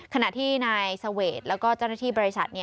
ขณะที่นายเสวดแล้วก็เจ้าหน้าที่บริษัท